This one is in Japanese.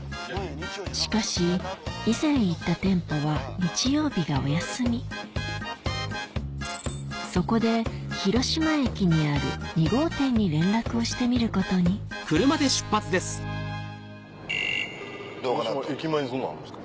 しかし以前行った店舗は日曜日がお休みそこで広島駅にある２号店に連絡をしてみることに駅前にそんなのあるんですか？